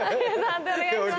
判定お願いします。